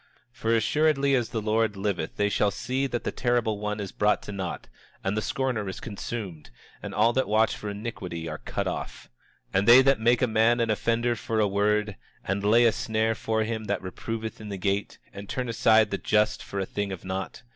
27:31 For assuredly as the Lord liveth they shall see that the terrible one is brought to naught, and the scorner is consumed, and all that watch for iniquity are cut off; 27:32 And they that make a man an offender for a word, and lay a snare for him that reproveth in the gate, and turn aside the just for a thing of naught.